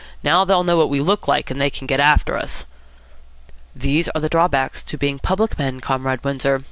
Now they'll know what we look like, and they can get after us." "These are the drawbacks to being public men, Comrade Windsor.